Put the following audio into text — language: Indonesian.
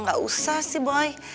gak usah sih boy